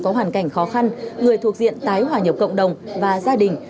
có hoàn cảnh khó khăn người thuộc diện tái hòa nhập cộng đồng và gia đình